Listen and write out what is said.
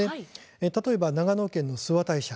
例えば長野県の諏訪大社